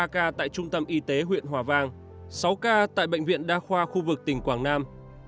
ba ca tại trung tâm y tế huyện hòa vang sáu ca tại bệnh viện đa khoa khu vực tỉnh quảng nam